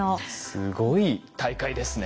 すごい大会ですね。